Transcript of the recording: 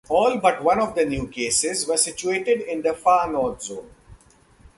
All but one of the new cases were situated in the Far North zone.